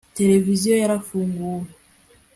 Televiziyo yarafunguwe